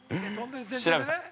調べた。